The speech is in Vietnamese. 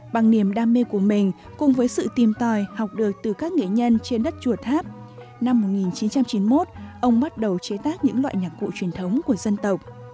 bằng niềm đam mê của mình cùng với sự tìm tòi học được từ các nghệ nhân trên đất chùa tháp năm một nghìn chín trăm chín mươi một ông bắt đầu chế tác những loại nhạc cụ truyền thống của dân tộc